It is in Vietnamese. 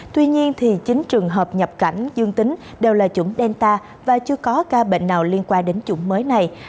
tuy nhiên chín trường hợp nhập cảnh dương tính đều là chủng delta và chưa có ca bệnh nào liên quan đến chủng mới này